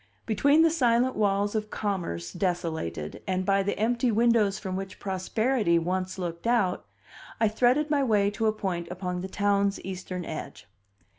Between the silent walls of commerce desolated, and by the empty windows from which Prosperity once looked out, I threaded my way to a point upon the town's eastern edge.